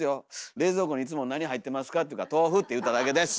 「冷蔵庫にいつも何入ってますか？」って言うから豆腐って言っただけです！